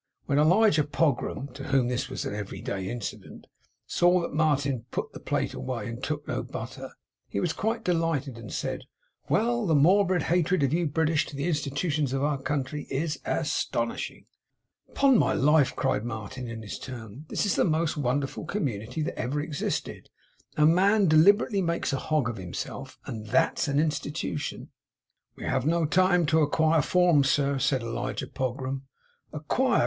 When Elijah Pogram (to whom this was an every day incident) saw that Martin put the plate away, and took no butter, he was quite delighted, and said, 'Well! The morbid hatred of you British to the Institutions of our country is as TONishing!' 'Upon my life!' cried Martin, in his turn. 'This is the most wonderful community that ever existed. A man deliberately makes a hog of himself, and THAT'S an Institution!' 'We have no time to ac quire forms, sir,' said Elijah Pogram. 'Acquire!